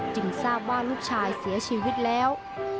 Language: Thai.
ทราบว่าลูกชายเสียชีวิตแล้ว